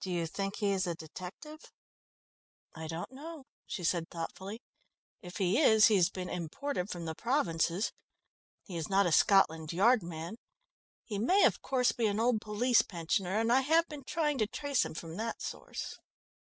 "Do you think he is a detective?" "I don't know," she said thoughtfully. "If he is, he has been imported from the provinces. He is not a Scotland Yard man. He may, of course, be an old police pensioner, and I have been trying to trace him from that source."